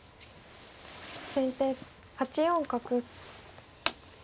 先手８四角。